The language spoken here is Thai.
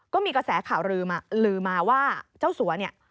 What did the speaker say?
ก็มีกระแสข่าวลือมาลือมาว่าเจ้าสัวเนี่ย